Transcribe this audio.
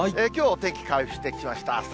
きょうはお天気、回復してきました。